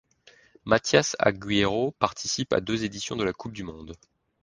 Matías Agüero participe à deux éditions de la coupe du monde.